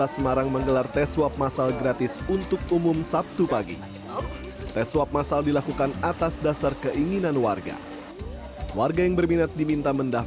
saya merawat orang orang yang kena covid